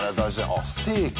あステーキ。